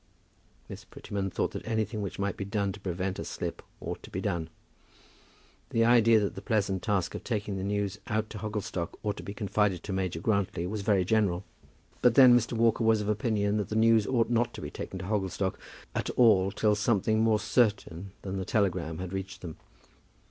'" Miss Prettyman thought that anything which might be done to prevent a slip ought to be done. The idea that the pleasant task of taking the news out to Hogglestock ought to be confided to Major Grantly was very general; but then Mr. Walker was of opinion that the news ought not to be taken to Hogglestock at all till something more certain than the telegram had reached them.